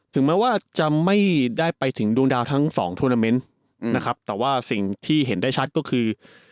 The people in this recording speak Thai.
ถึงจะไม่ได้ไปถึงตัวนี้แต่ว่าที่เห็นได้ชัดก็คือ